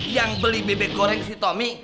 yang beli bebek goreng si tommy